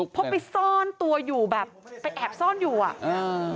เพราะไปซ่อนตัวอยู่แบบไปแอบซ่อนอยู่อ่ะเออ